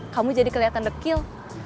kamu jadi keliatan rekil